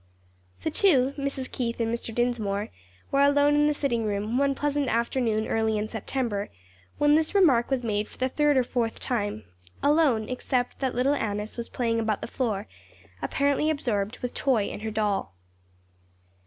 The two Mrs. Keith and Mr. Dinsmore were alone in the sitting room, one pleasant afternoon early in September, when this remark was made for the third or fourth time; alone except that little Annis was playing about the floor, apparently absorbed with Toy and her doll.